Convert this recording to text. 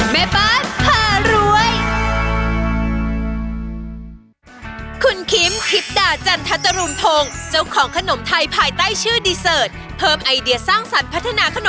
แม่บ้านพระจันทร์บ้าน